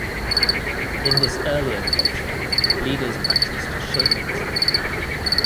In this earlier culture, leaders practiced shamanism.